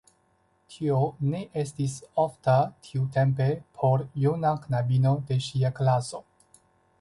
Tio ne estis ofta tiutempe por juna knabino de ŝia klaso.